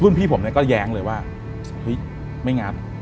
รุ่นพี่ผมก็แย้งเลยว่าไม่งัด